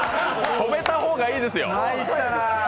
止めた方がいいですよ。